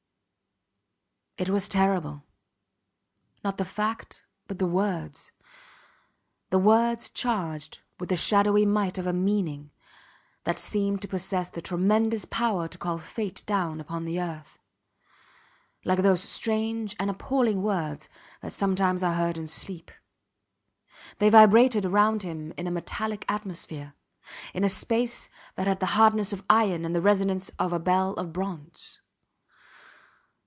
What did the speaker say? It was terrible not the fact but the words; the words charged with the shadowy might of a meaning, that seemed to possess the tremendous power to call Fate down upon the earth, like those strange and appalling words that sometimes are heard in sleep. They vibrated round him in a metallic atmosphere, in a space that had the hardness of iron and the resonance of a bell of bronze.